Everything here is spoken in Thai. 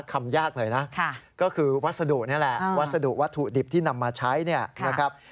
คำยากเลยนะก็คือวัสดุนี่แหละวัสดุวัตถุดิบที่นำมาใช้เนี่ยนะครับ